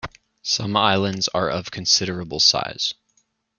Some islands are of considerable size.